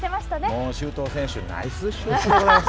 もう周東選手ナイスシュートでございます。